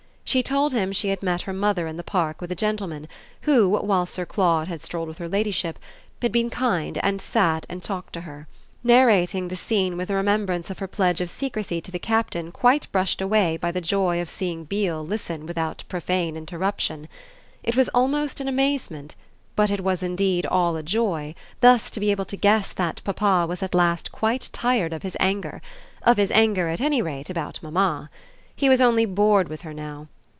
She told him she had met her mother in the Park with a gentleman who, while Sir Claude had strolled with her ladyship, had been kind and had sat and talked to her; narrating the scene with a remembrance of her pledge of secrecy to the Captain quite brushed away by the joy of seeing Beale listen without profane interruption. It was almost an amazement, but it was indeed all a joy, thus to be able to guess that papa was at last quite tired of his anger of his anger at any rate about mamma. He was only bored with her now.